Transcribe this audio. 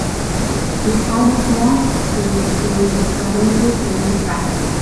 It had a small screen showing the currently playing track.